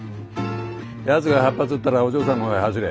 やつが８発撃ったらお嬢さんの方へ走れ。